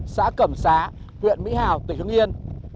bã cẩm xá huyện mỹ hào tỉnh hương yên